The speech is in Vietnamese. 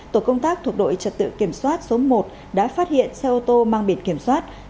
tổ công tác thuộc đội trật tự kiểm soát số một đã phát hiện xe ô tô mang biển kiểm soát